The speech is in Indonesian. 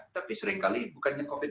tapi seringkali bukannya covid sembilan belas